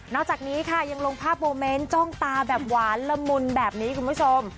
จากนี้ค่ะยังลงภาพโมเมนต์จ้องตาแบบหวานละมุนแบบนี้คุณผู้ชม